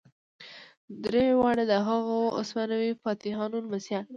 درې واړه د هغو هسپانوي فاتحانو لمسیان وو.